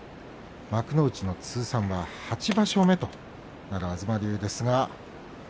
幕内通算８場所目となる東龍です。